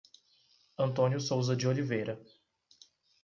Antônio Souza de Oliveira